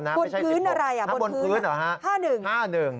บนพื้นอะไรอ่ะบนพื้นเหรอฮะ